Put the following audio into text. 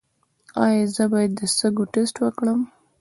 ایا زه باید د سږو ټسټ وکړم؟